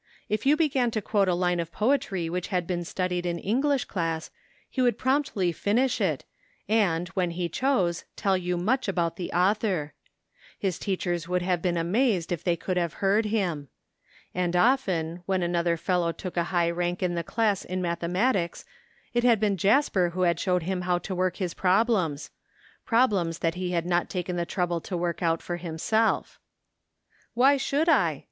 If you began to quote a line of poetry which had been studied in English class he would promptly finish it and, when he chose, tell you much about the author. His teachers would have been amazed if they could have heard him. And often when another fellow took a high rank in the class in mathematics it had been Jasper who had showed him how to work his problems — ^problems that he had not taken the trouble to work out for himself. " Why should I